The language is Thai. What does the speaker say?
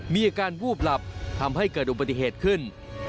มีอาการวูบหลับทำให้เกิดอุบัติเหตุขึ้น